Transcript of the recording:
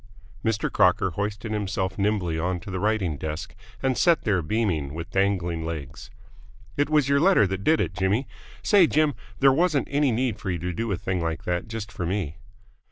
Mr. Crocker hoisted himself nimbly onto the writing desk, and sat there, beaming, with dangling legs. "It was your letter that did it, Jimmy. Say, Jim, there wasn't any need for you to do a thing like that just for me."